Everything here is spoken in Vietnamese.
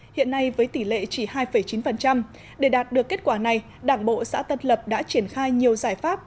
hiện nay với tỷ lệ chỉ hai chín để đạt được kết quả này đảng bộ xã tân lập đã triển khai nhiều giải pháp